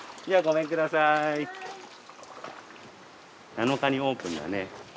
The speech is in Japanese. ７日にオープンだね。